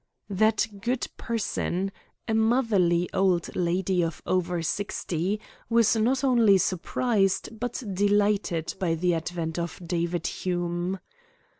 That good person, a motherly old lady of over sixty, was not only surprised but delighted by the advent of David Hume.